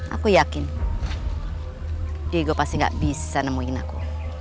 aku yakin diego pasti gak bisa nemuin aku